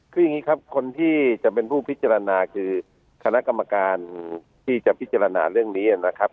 คืออย่างนี้ครับคนที่จะเป็นผู้พิจารณาคือคณะกรรมการที่จะพิจารณาเรื่องนี้นะครับ